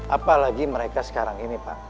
apalagi mereka sekarang ini pak